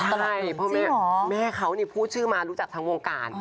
ใช่เพราะแม่เขาพูดชื่อมารู้จักทั้งวงการ